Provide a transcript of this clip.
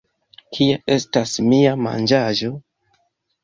Kie estas mia manĝaĵo!